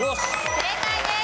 正解です。